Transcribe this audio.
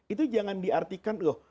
itu jangan diartikan loh